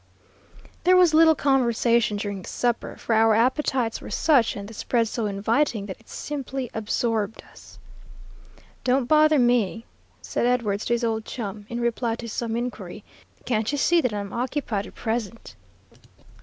There was little conversation during the supper, for our appetites were such and the spread so inviting that it simply absorbed us. "Don't bother me," said Edwards to his old chum, in reply to some inquiry. "Can't you see that I'm occupied at present?"